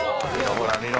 ほら見ろ